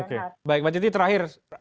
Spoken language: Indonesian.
oke baik mbak titi terakhir